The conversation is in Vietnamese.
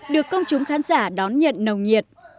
được công chúng khán giả đón nhận nồng nhiệt